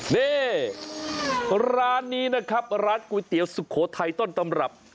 นี่ร้านนี้นะครับร้านก๋วยเตี๋ยวสุโขทัยต้นตำรับ